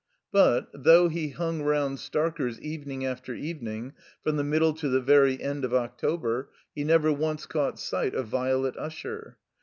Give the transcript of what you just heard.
But, though he hung rotmd Starker's evening after evening, from the middle to the very end of October, he never once caught sight of Violet Usher.